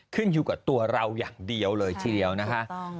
ขึ้นอยู่กับตัวเราอย่างเดียวเลยทีเดียวนะคะ